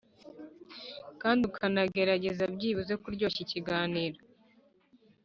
kandi ukanagerageza byibuze kuryoshya ikiganiro